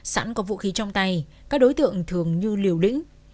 sẵn có vũ khí trong tay các đối tượng thường như liều lĩnh